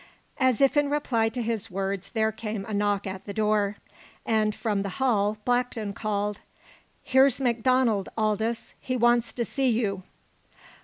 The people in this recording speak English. As if in reply to his words there came a knock at the door, and from the hall Blackton called: "Here's MacDonald, Aldous. He wants to see you."